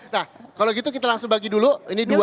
nah kalau gitu kita langsung bagi dulu ini dua